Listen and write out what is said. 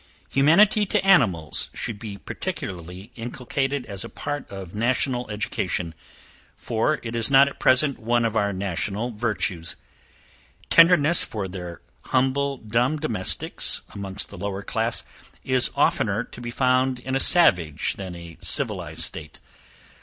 Humanity to animals should be particularly inculcated as a part of national education, for it is not at present one of our national virtues. Tenderness for their humble dumb domestics, amongst the lower class, is oftener to be found in a savage than a civilized state.